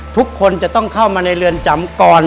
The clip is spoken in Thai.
ทุกคนจะต้องเข้ามาในเรือนจำก่อน